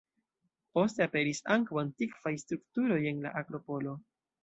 Poste, aperis ankaŭ antikvaj strukturoj en la akropolo.